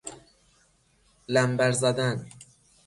لنبر زدن